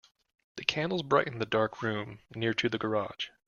The candles brightened the dark room near to the garage.